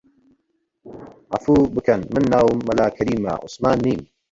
عەفوو بکەن من ناوم مەلا کەریمە، عوسمان نیم